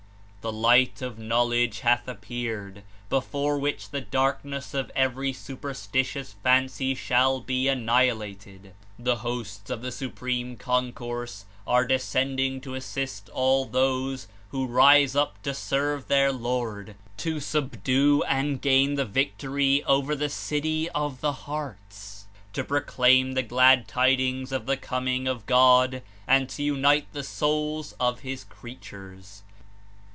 "The Light of Knowledge hath appeared, before which the darkness of every superstitious fancy shall be annihilated. The hosts of the Supreme Concourse are descending to assist all those who rise up to serve their Lord, to subdue and gain the victory over the city of the hearts, to proclaim the Glad tidings of the Coming of God, and to unite the souls of His crea tures."